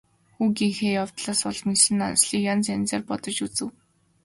Хүүгийнхээ явдлаас уламлан Нансалыг янз янзаар бодож үзэв.